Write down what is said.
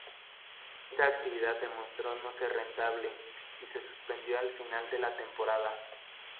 Esta actividad demostró no ser rentable, y se suspendió al final de la temporada.